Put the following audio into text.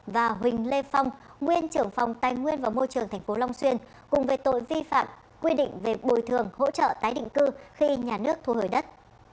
và huỳnh lê phong nguyên trưởng phòng tài nguyên và môi trường tp long xuyên cùng về tội vi phạm quy định về bồi thường hỗ trợ tái định cư khi nhà nước thu hồi đất